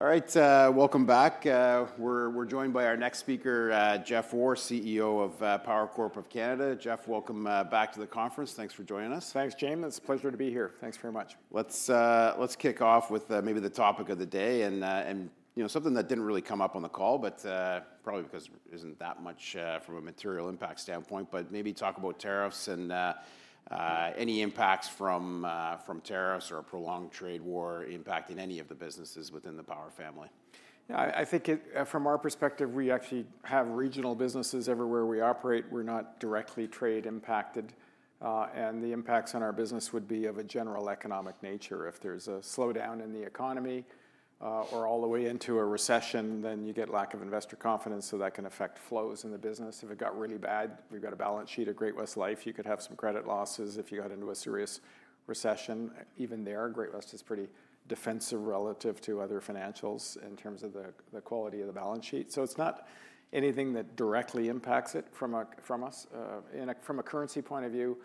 All right, welcome back. We're joined by our next speaker, Jeff Orr, CEO of Power Corporation of Canada. Jeff, welcome back to the conference. Thanks for joining us. Thanks, James. It's a pleasure to be here. Thanks very much. Let's kick off with maybe the topic of the day and something that didn't really come up on the call, but probably because it isn't that much from a material impact standpoint, but maybe talk about tariffs and any impacts from tariffs or a prolonged trade war impacting any of the businesses within the Power family. Yeah, I think from our perspective, we actually have regional businesses everywhere we operate. We're not directly trade impacted, and the impacts on our business would be of a general economic nature. If there's a slowdown in the economy or all the way into a recession, you get lack of investor confidence, so that can affect flows in the business. If it got really bad, we've got a balance sheet of Great-West Lifeco, you could have some credit losses if you got into a serious recession. Even there, Great-West is pretty defensive relative to other financials in terms of the quality of the balance sheet. It's not anything that directly impacts it from us. From a currency point of view,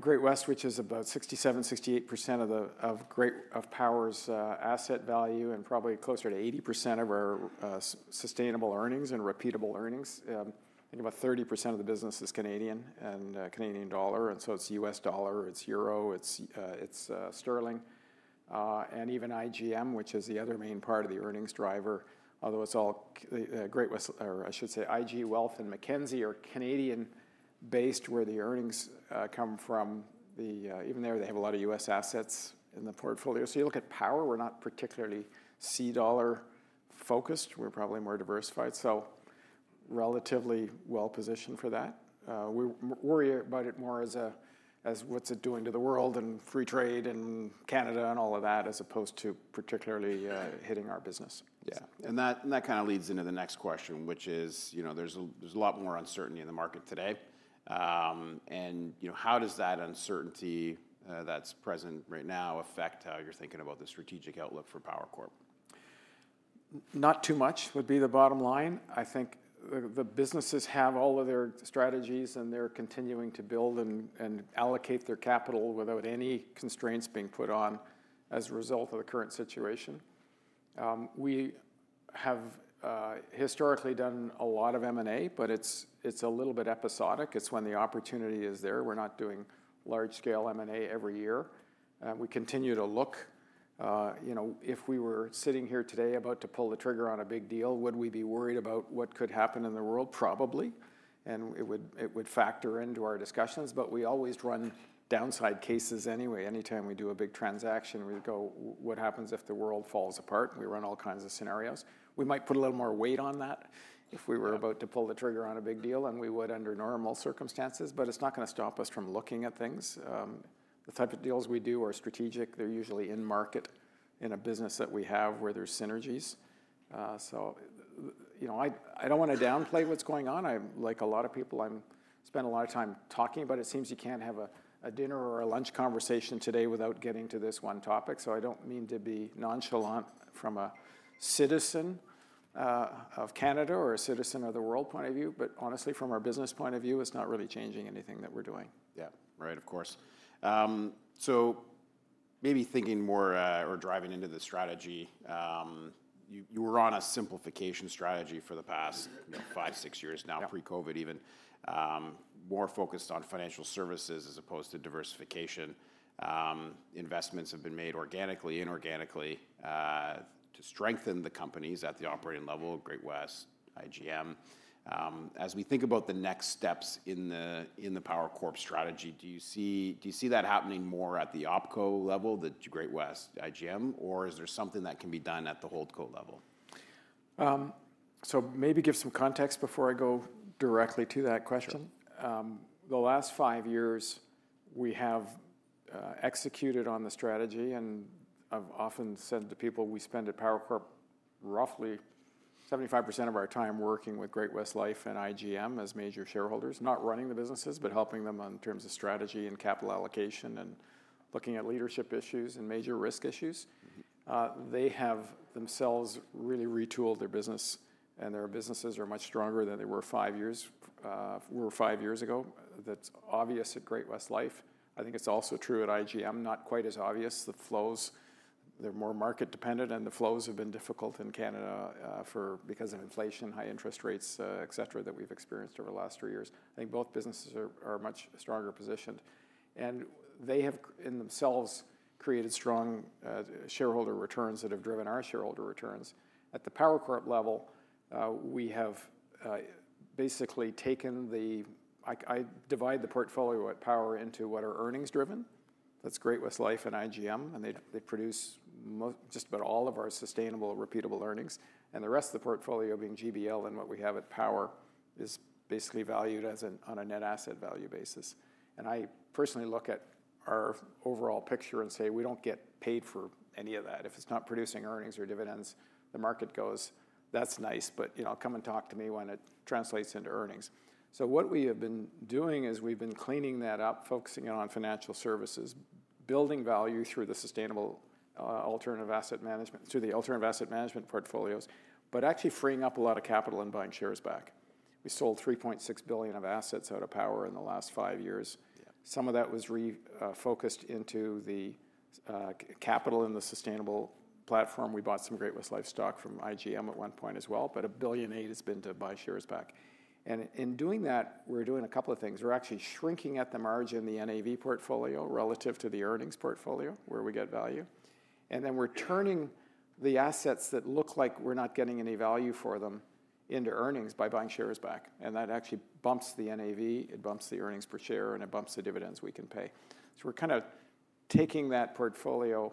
Great-West, which is about 67%-68% of Power's asset value and probably closer to 80% of our sustainable earnings and repeatable earnings, I think about 30% of the business is Canadian and Canadian dollar. It's U.S. dollar, it's euro, it's sterling, and even IGM, which is the other main part of the earnings driver, although it's all Great-West, or I should say IG Wealth and Mackenzie are Canadian-based where the earnings come from. Even there, they have a lot of U.S. assets in the portfolio. You look at Power, we're not particularly Canadian dollar focused. We're probably more diversified, so relatively well positioned for that. We worry about it more as what's it doing to the world and free trade and Canada and all of that, as opposed to particularly hitting our business. Yeah. That kind of leads into the next question, which is there's a lot more uncertainty in the market today. How does that uncertainty that's present right now affect how you're thinking about the strategic outlook for Power Corporation of Canada? Not too much would be the bottom line. I think the businesses have all of their strategies and they're continuing to build and allocate their capital without any constraints being put on as a result of the current situation. We have historically done a lot of M&A, but it's a little bit episodic. It's when the opportunity is there. We're not doing large-scale M&A every year. We continue to look. If we were sitting here today about to pull the trigger on a big deal, would we be worried about what could happen in the world? Probably. It would factor into our discussions, but we always run downside cases anyway. Anytime we do a big transaction, we go, what happens if the world falls apart? We run all kinds of scenarios. We might put a little more weight on that if we were about to pull the trigger on a big deal, and we would under normal circumstances, but it's not going to stop us from looking at things. The type of deals we do are strategic. They're usually in market in a business that we have where there's synergies. I don't want to downplay what's going on. Like a lot of people, I spend a lot of time talking about it. It seems you can't have a dinner or a lunch conversation today without getting to this one topic. I don't mean to be nonchalant from a citizen of Canada or a citizen of the world point of view, but honestly, from our business point of view, it's not really changing anything that we're doing. Yeah, right, of course. Maybe thinking more or driving into the strategy, you were on a simplification strategy for the past 5-6 years now, pre-COVID even, more focused on financial services as opposed to diversification. Investments have been made organically, inorganically to strengthen the companies at the operating level, Great-West, IGM. As we think about the next steps in the Power Corporation strategy, do you see that happening more at the opco level, the Great-West, IGM, or is there something that can be done at the holdco level? Maybe give some context before I go directly to that question. The last 5 years, we have executed on the strategy, and I've often said to people, we spend at Power Corporation roughly 75% of our time working with Great-West Lifeco and IGM as major shareholders, not running the businesses, but helping them in terms of strategy and capital allocation and looking at leadership issues and major risk issues. They have themselves really retooled their business, and their businesses are much stronger than they were 5 years ago. That's obvious at Great-West Lifeco. I think it's also true at IGM, not quite as obvious. The flows, they're more market dependent, and the flows have been difficult in Canada because of inflation, high interest rates, et cetera, that we've experienced over the last 3 years. I think both businesses are much stronger positioned, and they have in themselves created strong shareholder returns that have driven our shareholder returns. At the Power Corporation level, we have basically taken the, I divide the portfolio at Power into what are earnings driven. That's Great-West Lifeco and IGM, and they produce just about all of our sustainable repeatable earnings. The rest of the portfolio, being GBL and what we have at Power, is basically valued on a net asset value basis. I personally look at our overall picture and say, we do not get paid for any of that. If it's not producing earnings or dividends, the market goes, that's nice, but come and talk to me when it translates into earnings. What we have been doing is we've been cleaning that up, focusing in on financial services, building value through the sustainable alternative asset management, through the alternative asset management portfolios, but actually freeing up a lot of capital and buying shares back. We sold 3.6 billion of assets out of Power in the last 5 years. Some of that was refocused into the capital in the sustainable platform. We bought some Great-West Lifeco stock from IGM at one point as well, but 1.8 billion has been to buy shares back. In doing that, we're doing a couple of things. We're actually shrinking at the margin the NAV portfolio relative to the earnings portfolio where we get value. Then we're turning the assets that look like we're not getting any value for them into earnings by buying shares back. That actually bumps the NAV, it bumps the earnings per share, and it bumps the dividends we can pay. We are kind of taking that portfolio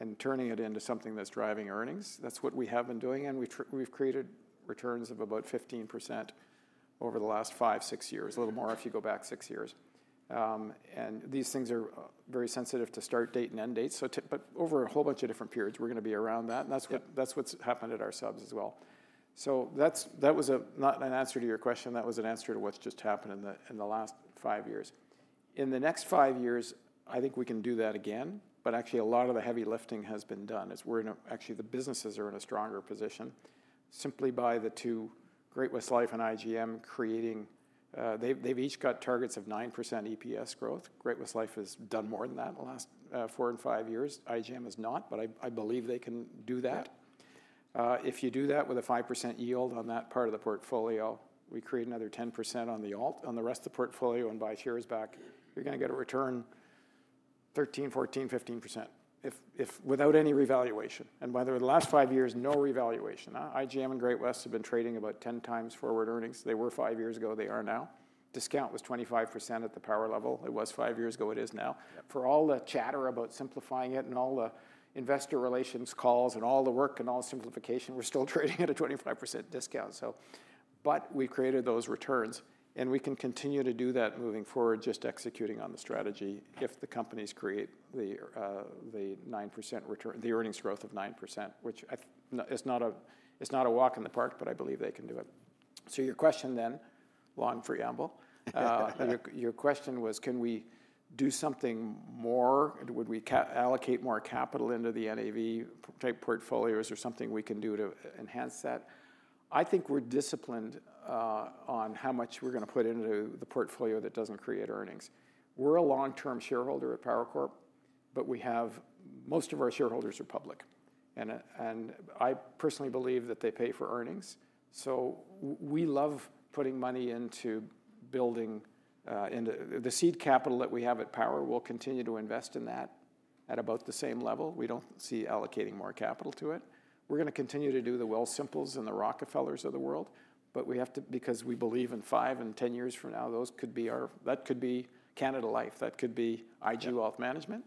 and turning it into something that is driving earnings. That is what we have been doing, and we have created returns of about 15% over the last 5, 6 years, a little more if you go back 6 years. These things are very sensitive to start date and end date, but over a whole bunch of different periods, we are going to be around that, and that is what has happened at our subs as well. That was not an answer to your question. That was an answer to what has just happened in the last 5 years. In the next 5 years, I think we can do that again, but actually a lot of the heavy lifting has been done as we're in, actually the businesses are in a stronger position simply by the 2 Great-West Lifeco and IGM creating, they've each got targets of 9% EPS growth. Great-West Lifeco has done more than that in the last 4 and 5 years. IGM has not, but I believe they can do that. If you do that with a 5% yield on that part of the portfolio, we create another 10% on the rest of the portfolio and buy shares back, you're going to get a return 13%, 14%, 15% without any revaluation. By the way, the last 5 years, no revaluation. IGM and Great-West Lifeco have been trading about 10 times forward earnings. They were 5 years ago, they are now. Discount was 25% at the Power level. It was 5 years ago, it is now. For all the chatter about simplifying it and all the investor relations calls and all the work and all the simplification, we're still trading at a 25% discount. We've created those returns, and we can continue to do that moving forward, just executing on the strategy if the companies create the 9% return, the earnings growth of 9%, which it's not a walk in the park, but I believe they can do it. Your question then, long preamble, your question was, can we do something more? Would we allocate more capital into the NAV type portfolios or something we can do to enhance that? I think we're disciplined on how much we're going to put into the portfolio that doesn't create earnings. We're a long-term shareholder at Power Corporation of Canada, but most of our shareholders are public. I personally believe that they pay for earnings. We love putting money into building. The seed capital that we have at Power will continue to invest in that at about the same level. We do not see allocating more capital to it. We are going to continue to do the Wealthsimples and the Rockefellers of the world, but we have to, because we believe in 5 and 10 years from now, that could be Canada Life, that could be IG Wealth Management,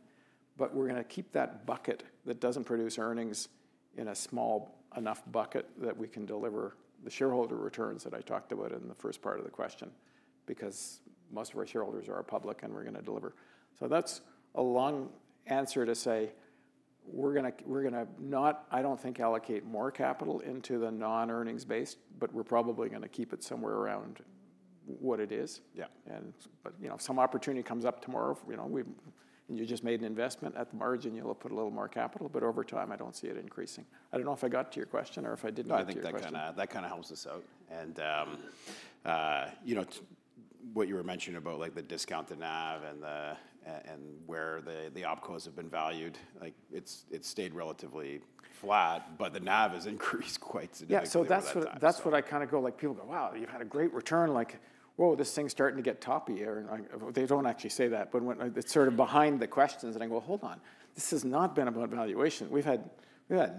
but we are going to keep that bucket that does not produce earnings in a small enough bucket that we can deliver the shareholder returns that I talked about in the first part of the question, because most of our shareholders are public and we are going to deliver. That's a long answer to say we're going to not, I don't think, allocate more capital into the non-earnings base, but we're probably going to keep it somewhere around what it is. If some opportunity comes up tomorrow, and you just made an investment at the margin, you'll put a little more capital, but over time I don't see it increasing. I don't know if I got to your question or if I did not. I think that kind of helps us out. What you were mentioning about the discount to NAV and where the opcos have been valued, it's stayed relatively flat, but the NAV has increased quite significantly. Yeah, so that's what I kind of go, like people go, wow, you've had a great return, like, whoa, this thing's starting to get toppy. They do not actually say that, but it's sort of behind the questions that I go, hold on, this has not been about valuation. We've had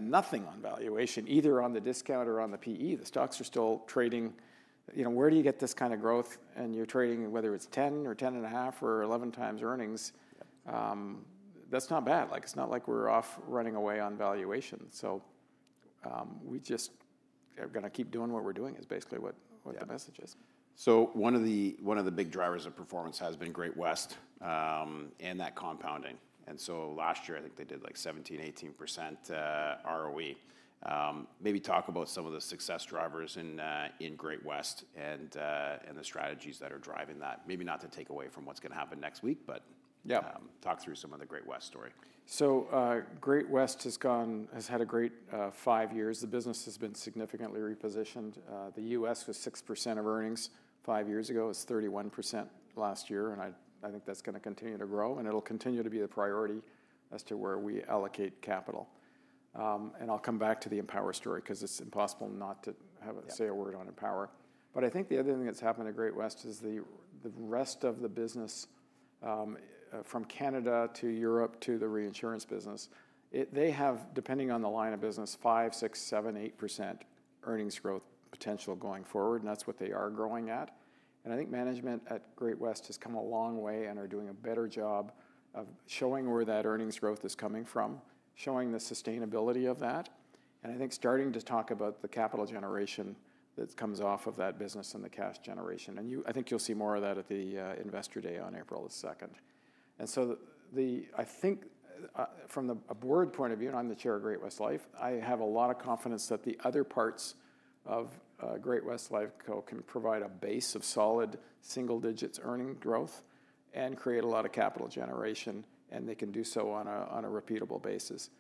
nothing on valuation, either on the discount or on the PE. The stocks are still trading. Where do you get this kind of growth and you're trading whether it's 10 or 10.5 or 11 times earnings, that's not bad. It's not like we're off running away on valuation. We just are going to keep doing what we're doing is basically what the message is. One of the big drivers of performance has been Great-West and that compounding. Last year, I think they did like 17%-18% ROE. Maybe talk about some of the success drivers in Great-West and the strategies that are driving that. Maybe not to take away from what is going to happen next week, but talk through some of the Great-West story. Great-West Lifeco has had a great 5 years. The business has been significantly repositioned. The U.S. was 6% of earnings 5 years ago, it's 31% last year, and I think that's going to continue to grow and it'll continue to be the priority as to where we allocate capital. I'll come back to the Empower story because it's impossible not to say a word on Empower. I think the other thing that's happened to Great-West Lifeco is the rest of the business from Canada to Europe to the reinsurance business, they have, depending on the line of business, 5%-8% earnings growth potential going forward, and that's what they are growing at. I think management at Great-West Lifeco has come a long way and are doing a better job of showing where that earnings growth is coming from, showing the sustainability of that. I think starting to talk about the capital generation that comes off of that business and the cash generation. I think you'll see more of that at the investor day on April the 2nd. I think from a board point of view, and I'm the Chair of Great-West Lifeco, I have a lot of confidence that the other parts of Great-West Lifeco can provide a base of solid single digits earning growth and create a lot of capital generation, and they can do so on a repeatable basis.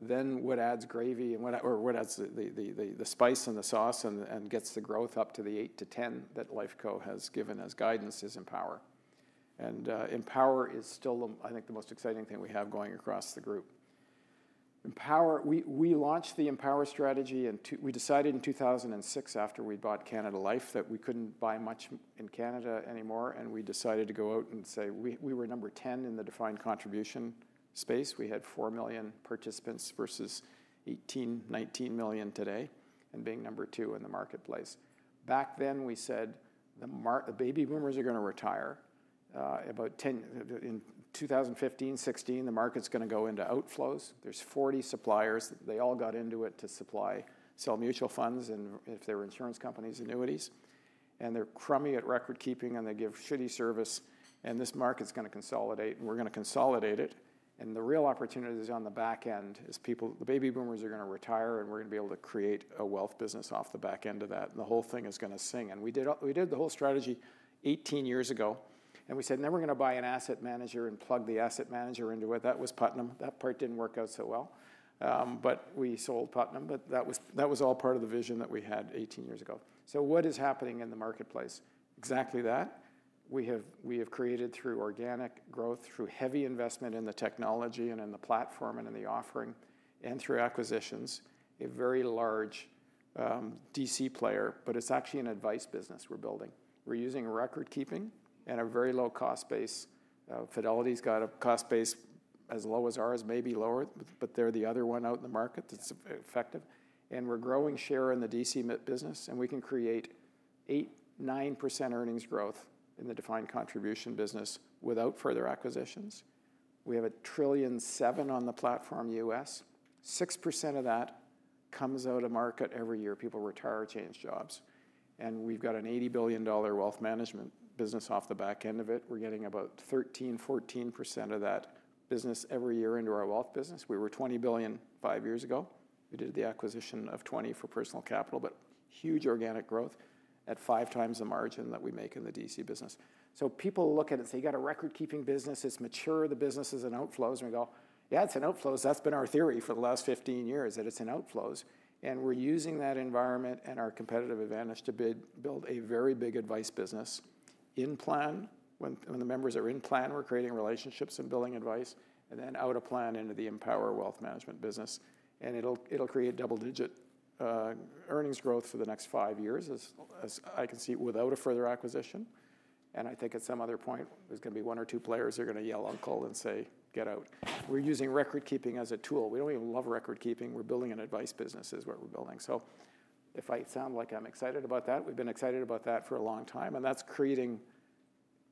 What adds gravy or what adds the spice and the sauce and gets the growth up to the 8%-10% that Lifeco has given as guidance is Empower. Empower is still, I think, the most exciting thing we have going across the group. We launched the Empower strategy and we decided in 2006 after we bought Canada Life that we couldn't buy much in Canada anymore, and we decided to go out and say we were number 10 in the defined contribution space. We had 4 million participants versus 18-19 million today and being number 2 in the marketplace. Back then we said the baby boomers are going to retire. In 2015, 2016, the market's going to go into outflows. There's 40 suppliers. They all got into it to supply, sell mutual funds and if they were insurance companies, annuities. They're crummy at record keeping and they give shitty service. This market's going to consolidate and we're going to consolidate it. The real opportunity is on the back end is people, the baby boomers are going to retire and we're going to be able to create a wealth business off the back end of that. The whole thing is going to sing. We did the whole strategy 18 years ago and we said now we're going to buy an asset manager and plug the asset manager into it. That was Putnam. That part did not work out so well, but we sold Putnam, but that was all part of the vision that we had 18 years ago. What is happening in the marketplace? Exactly that. We have created through organic growth, through heavy investment in the technology and in the platform and in the offering, and through acquisitions, a very large DC player, but it is actually an advice business we are building. We're using record keeping and a very low cost base. Fidelity's got a cost base as low as ours, maybe lower, but they're the other one out in the market that's effective. We're growing share in the DC business and we can create 8%-9% earnings growth in the defined contribution business without further acquisitions. We have $1.7 trillion on the platform U.S., 6% of that comes out of market every year. People retire, change jobs. We've got an $80 billion wealth management business off the back end of it. We're getting about 13%-14% of that business every year into our wealth business. We were $20 billion 5 years ago. We did the acquisition of $20 billion for Personal Capital, but huge organic growth at 5 times the margin that we make in the DC business. People look at it and say, you got a record keeping business, it's mature, the business is in outflows. We go, yeah, it's in outflows. That's been our theory for the last 15 years that it's in outflows. We're using that environment and our competitive advantage to build a very big advice business in plan. When the members are in plan, we're creating relationships and building advice and then out of plan into the Empower Wealth Management business. It'll create double digit earnings growth for the next 5 years as I can see without a further acquisition. I think at some other point there's going to be one or 2 players who are going to yell uncle and say, get out. We're using record keeping as a tool. We don't even love record keeping. We're building an advice business is what we're building. It sounds like I'm excited about that. We've been excited about that for a long time. That is creating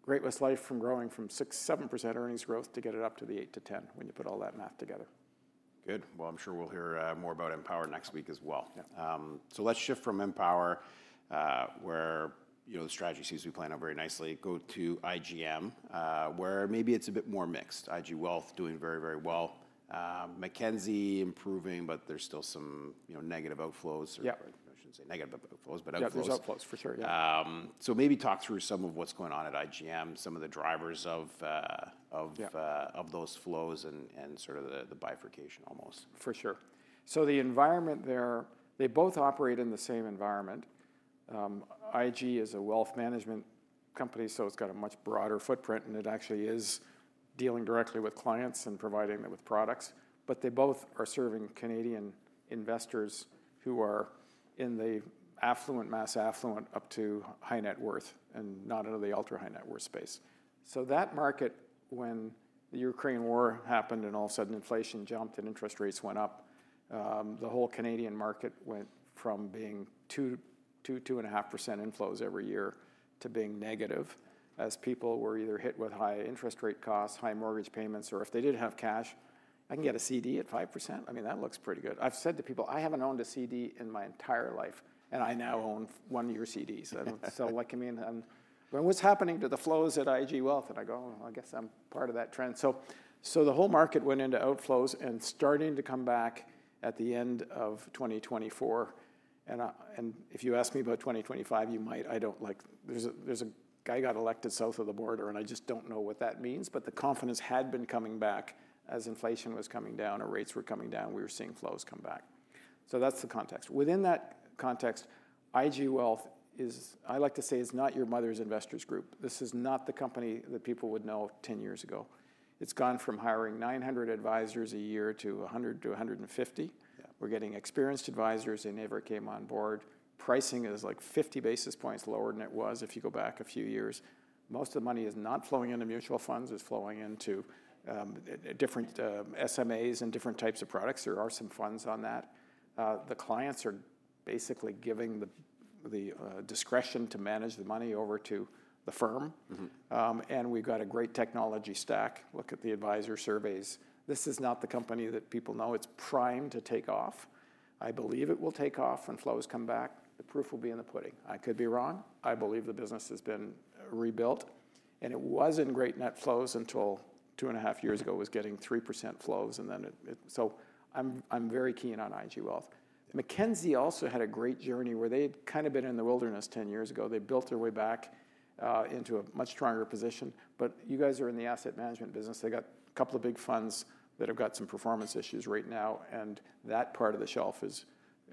Great-West Lifeco from growing from 6%-7% earnings growth to get it up to the 8%-10% when you put all that math together. Good. I'm sure we'll hear more about Empower next week as well. Let's shift from Empower, where the strategy seems to be playing out very nicely, go to IGM, where maybe it's a bit more mixed. IG Wealth doing very, very well. Mackenzie improving, but there's still some outflows. I shouldn't say negative outflows, but outflows. Yeah, there's outflows for sure. Yeah. Maybe talk through some of what's going on at IGM, some of the drivers of those flows and sort of the bifurcation almost. For sure. The environment there, they both operate in the same environment. IG is a wealth management company, so it's got a much broader footprint and it actually is dealing directly with clients and providing them with products. They both are serving Canadian investors who are in the affluent, mass affluent up to high net worth and not into the ultra high net worth space. That market, when the Ukraine war happened and all of a sudden inflation jumped and interest rates went up, the whole Canadian market went from being 2%-2.5% inflows every year to being negative as people were either hit with high interest rate costs, high mortgage payments, or if they did not have cash, I can get a CD at 5%. I mean, that looks pretty good. I've said to people, I haven't owned a CD in my entire life and I now own one of your CDs. They look at me and what's happening to the flows at IG Wealth? I go, I guess I'm part of that trend. The whole market went into outflows and started to come back at the end of 2024. If you ask me about 2025, you might. There's a guy got elected south of the border and I just don't know what that means, but the confidence had been coming back as inflation was coming down or rates were coming down. We were seeing flows come back. That's the context. Within that context, IG Wealth is, I like to say, not your mother's investors group. This is not the company that people would know 10 years ago. It's gone from hiring 900 advisors a year to 100-150. We're getting experienced advisors; they never came on board. Pricing is like 50 basis points lower than it was if you go back a few years. Most of the money is not flowing into mutual funds; it's flowing into different SMAs and different types of products. There are some funds on that. The clients are basically giving the discretion to manage the money over to the firm. We've got a great technology stack. Look at the advisor surveys. This is not the company that people know. It's primed to take off. I believe it will take off when flows come back. The proof will be in the pudding. I could be wrong. I believe the business has been rebuilt. It wasn't great net flows until two and a half years ago; it was getting 3% flows. I'm very keen on IG Wealth. Mackenzie also had a great journey where they had kind of been in the wilderness 10 years ago. They built their way back into a much stronger position. You guys are in the asset management business. They got a couple of big funds that have got some performance issues right now. That part of the shelf is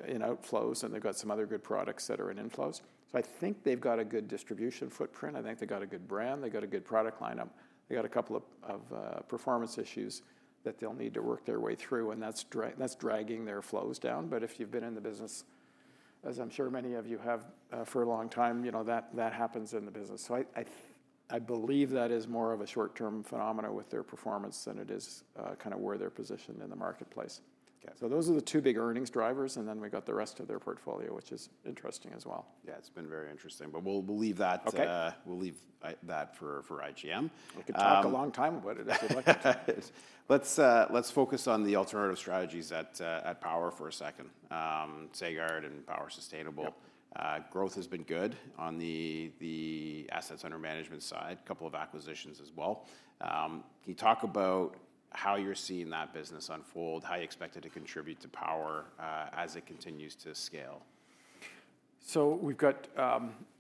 in outflows and they've got some other good products that are in inflows. I think they've got a good distribution footprint. I think they've got a good brand. They've got a good product lineup. They've got a couple of performance issues that they'll need to work their way through. That's dragging their flows down. If you've been in the business, as I'm sure many of you have for a long time, that happens in the business. I believe that is more of a short-term phenomenon with their performance than it is kind of where they're positioned in the marketplace. Those are the 2 big earnings drivers. Then we've got the rest of their portfolio, which is interesting as well. Yeah, it's been very interesting. We'll leave that for IGM. We could talk a long time about it if you'd like to. Let's focus on the alternative strategies at Power for a second. Sagard and Power Sustainable. Growth has been good on the assets under management side. A couple of acquisitions as well. Can you talk about how you're seeing that business unfold? How you expect it to contribute to Power as it continues to scale? We've got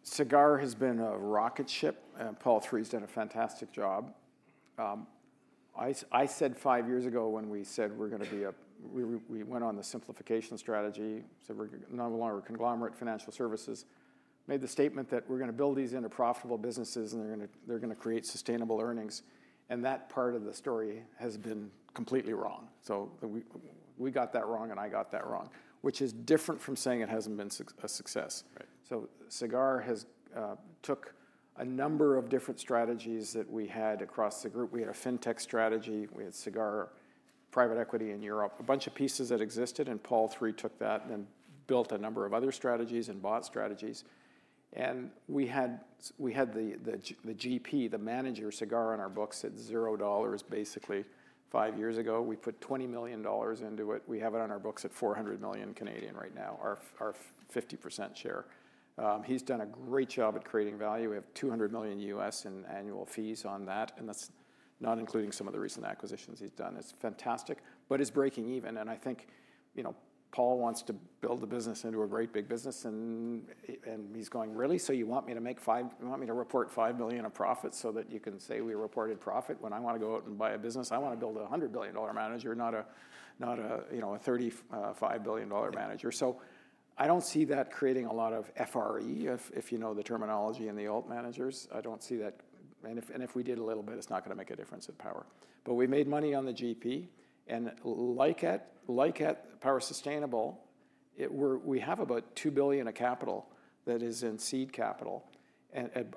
Sagard has been a rocket ship. Paul Desmarais III done a fantastic job. I said 5 years ago when we said we're going to be a, we went on the simplification strategy. We're no longer conglomerate financial services. Made the statement that we're going to build these into profitable businesses and they're going to create sustainable earnings. That part of the story has been completely wrong. We got that wrong and I got that wrong, which is different from saying it hasn't been a success. Sagard took a number of different strategies that we had across the group. We had a fintech strategy. We had Sagard private equity in Europe. A bunch of pieces that existed. Paul Desmarais III took that and then built a number of other strategies and bought strategies. We had the GP, the manager Sagard on our books at $0 basically 5 years ago. We put $20 million into it. We have it on our books at 400 million Canadian dollars right now, our 50% share. He's done a great job at creating value. We have $200 million U.S. in annual fees on that. That's not including some of the recent acquisitions he's done. It's fantastic, but it's breaking even. I think Paul wants to build the business into a great big business. He's going, really? You want me to make $5 million of profit so that you can say we reported profit? When I want to go out and buy a business, I want to build a $100 billion manager, not a $35 billion manager. I do not see that creating a lot of FRE, if you know the terminology in the alt managers. I do not see that. If we did a little bit, it is not going to make a difference at Power. We made money on the GP. Like at Power Sustainable, we have about 2 billion of capital that is in seed capital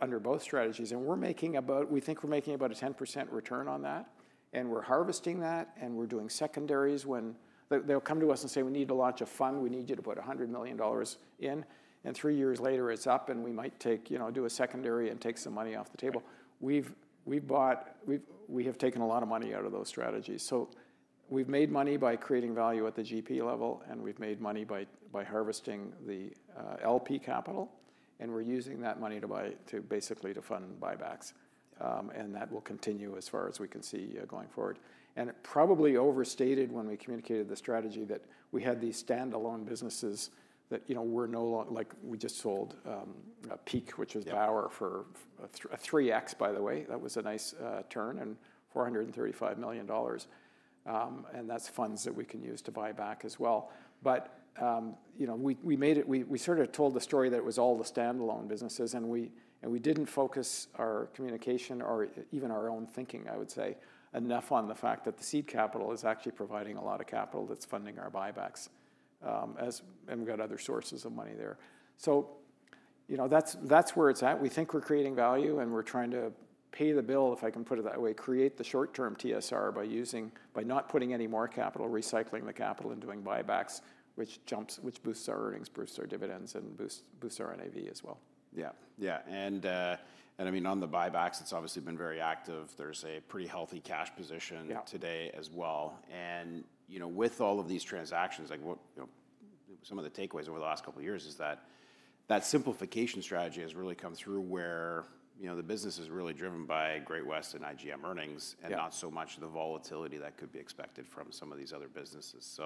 under both strategies. We are making about, we think we are making about a 10% return on that. We are harvesting that. We are doing secondaries when they will come to us and say, we need to launch a fund. We need you to put $100 million in. 3 years later it is up and we might do a secondary and take some money off the table. We have taken a lot of money out of those strategies. We have made money by creating value at the GP level. We have made money by harvesting the LP capital. We are using that money to basically fund buybacks. That will continue as far as we can see going forward. It was probably overstated when we communicated the strategy that we had these standalone businesses that we are no longer, like we just sold Peak, which is Power, for a 3X, by the way. That was a nice turn and 435 million dollars. That is funds that we can use to buy back as well. We sort of told the story that it was all the standalone businesses. We did not focus our communication or even our own thinking, I would say, enough on the fact that the seed capital is actually providing a lot of capital that is funding our buybacks. We have other sources of money there. That's where it's at. We think we're creating value and we're trying to pay the bill, if I can put it that way, create the short-term TSR by not putting any more capital, recycling the capital and doing buybacks, which boosts our earnings, boosts our dividends and boosts our NAV as well. Yeah. Yeah. I mean, on the buybacks, it's obviously been very active. There's a pretty healthy cash position today as well. With all of these transactions, some of the takeaways over the last couple of years is that that simplification strategy has really come through where the business is really driven by Great-West and IGM earnings and not so much the volatility that could be expected from some of these other businesses.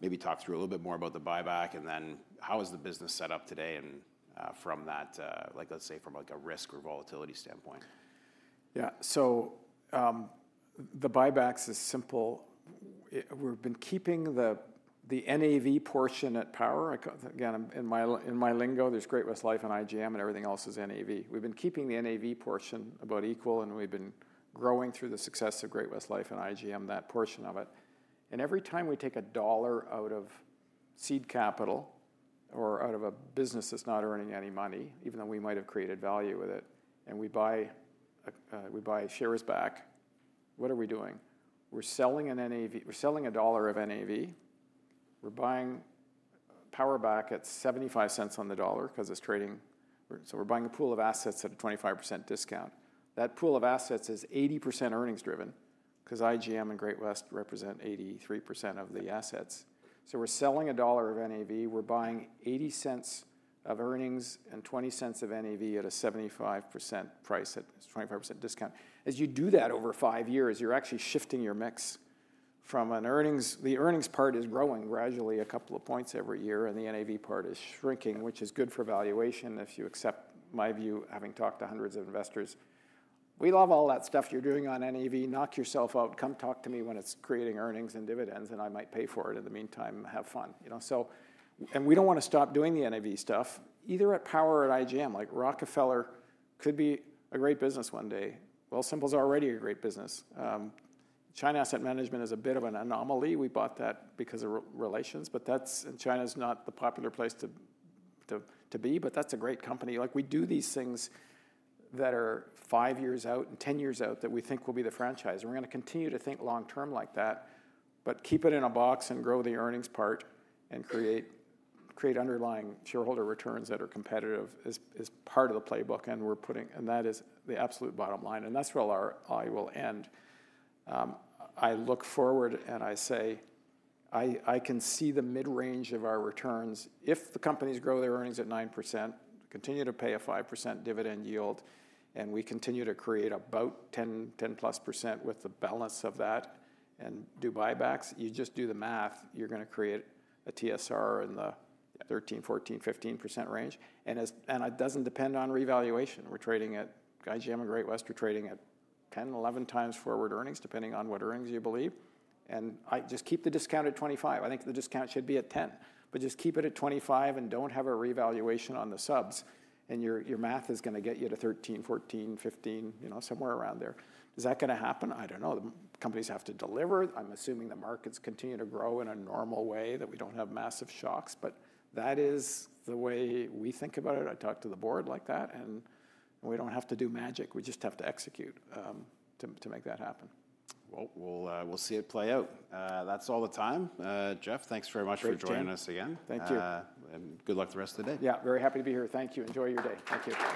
Maybe talk through a little bit more about the buyback and then how is the business set up today from that, let's say from a risk or volatility standpoint? Yeah. The buybacks is simple. We've been keeping the NAV portion at Power. Again, in my lingo, there's Great-West Lifeco and IGM and everything else is NAV. We've been keeping the NAV portion about equal and we've been growing through the success of Great-West Lifeco and IGM, that portion of it. Every time we take a dollar out of seed capital or out of a business that's not earning any money, even though we might have created value with it, and we buy shares back, what are we doing? We're selling a dollar of NAV. We're buying Power back at $0.75 on the dollar because it's trading. We're buying a pool of assets at a 25% discount. That pool of assets is 80% earnings driven because IGM and Great-West Lifeco represent 83% of the assets. We're selling a dollar of NAV. We're buying 80 cents of earnings and 20 cents of NAV at a 75% price, at 25% discount. As you do that over 5 years, you're actually shifting your mix from an earnings. The earnings part is growing gradually a couple of points every year and the NAV part is shrinking, which is good for valuation if you accept my view, having talked to hundreds of investors. We love all that stuff you're doing on NAV. Knock yourself out. Come talk to me when it's creating earnings and dividends and I might pay for it in the meantime. Have fun. We don't want to stop doing the NAV stuff. Either at Power or at IGM, like Rockefeller could be a great business one day. Wealthsimple's already a great business. China Asset Management is a bit of an anomaly. We bought that because of relations. China's not the popular place to be. That's a great company. We do these things that are 5 years out and 10 years out that we think will be the franchise. We're going to continue to think long-term like that, but keep it in a box and grow the earnings part and create underlying shareholder returns that are competitive as part of the playbook. That is the absolute bottom line. That's where I will end. I look forward and I say I can see the mid-range of our returns. If the companies grow their earnings at 9%, continue to pay a 5% dividend yield, and we continue to create about 10% plus with the balance of that and do buybacks, you just do the math, you're going to create a TSR in the 13-15% range. It doesn't depend on revaluation. We're trading at IGM and Great-West, we're trading at 10-11 times forward earnings depending on what earnings you believe. Just keep the discount at 25%. I think the discount should be at 10%. Just keep it at 25% and do not have a revaluation on the subs. Your math is going to get you to 13-15, somewhere around there. Is that going to happen? I do not know. Companies have to deliver. I am assuming the markets continue to grow in a normal way, that we do not have massive shocks. That is the way we think about it. I talk to the board like that. We do not have to do magic. We just have to execute to make that happen. We'll see it play out. That's all the time. Jeff, thanks very much for joining us again. Thank you. Good luck the rest of the day. Yeah. Very happy to be here. Thank you. Enjoy your day. Thank you.